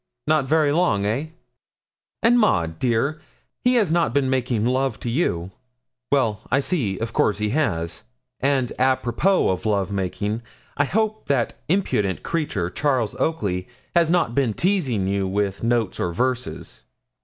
Not very long, eh? And, Maud, dear, he has not been making love to you? Well, I see; of course he has. And apropos of love making, I hope that impudent creature, Charles Oakley, has not been teasing you with notes or verses.'